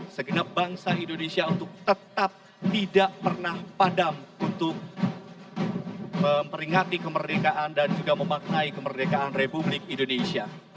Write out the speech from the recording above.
segenap bangsa indonesia untuk tetap tidak pernah padam untuk memperingati kemerdekaan dan juga memaknai kemerdekaan republik indonesia